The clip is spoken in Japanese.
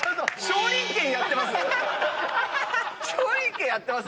少林拳やってます？